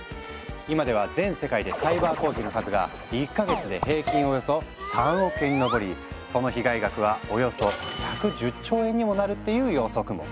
今では全世界でサイバー攻撃の数が１か月で平均およそその被害額はおよそ１１０兆円にもなるっていう予測も。